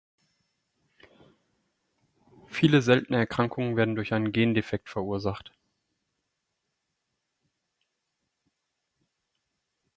Viele seltene Erkrankungen werden durch einen Gendefekt verursacht.